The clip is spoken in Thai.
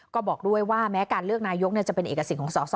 ก็บอกด้วยว่าแม้การเลือกนายกจะเป็นเอกสิทธิ์สอสอ